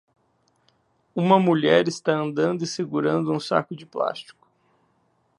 Uma mulher está andando e segurando um saco de plástico.